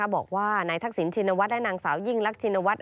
บอกว่านายทักษิณชินวัฒน์และนางสาวยิ่งรักชินวัฒน